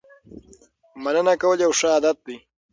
مننه کول یو ښه عادت دی.